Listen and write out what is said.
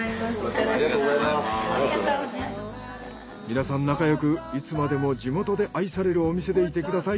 皆さん仲良くいつまでも地元で愛されるお店でいてください。